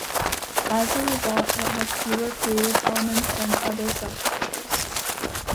As a result, it has fewer creative elements than other subcultures.